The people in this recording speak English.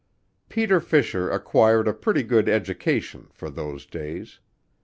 Peter Fisher acquired a pretty good education, for those days.